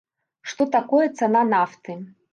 Што такое цана нафты?